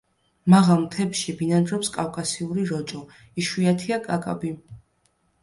მაღალ მთებში ბინადრობს კავკასიური როჭო, იშვიათია კაკაბი.